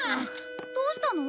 どうしたの？